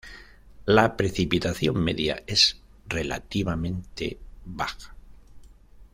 La precipitación media es relativamente baja.